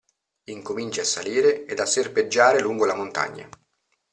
Incomincia a salire ed a serpeggiare lungo la montagna.